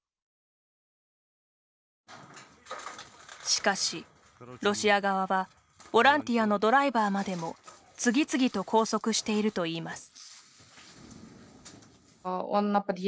しかしロシア側はボランティアのドライバーまでも次々と拘束しているといいます。